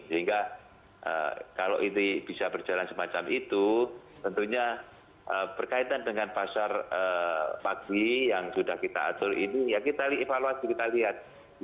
sehingga kalau ini bisa berjalan semacam itu tentunya berkaitan dengan pasar pagi yang sudah kita atur ini ya kita evaluasi kita lihat